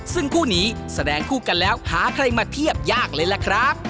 ซึ่งคู่นี้แสดงคู่กันแล้วหาใครมาเทียบยากเลยล่ะครับ